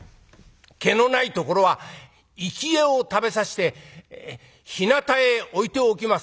毛のないところは生き餌を食べさせてひなたへ置いておきます」。